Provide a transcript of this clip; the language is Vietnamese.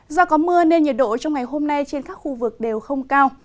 do có mưa nên nhiệt độ trong ngày hôm nay trên các khu vực đều không cao